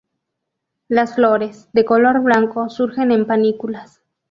Las flores, de color blanco, surgen en panículas.